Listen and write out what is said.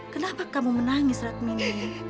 kenapa kamu menangis radmini